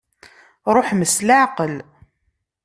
Ṛuḥem s leɛqel.